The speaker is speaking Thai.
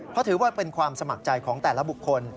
เพราะถือว่าเป็นความสมัครใจของแต่ละบุคคล